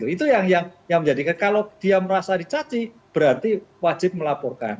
itu yang menjadikan kalau dia merasa dicaci berarti wajib melaporkan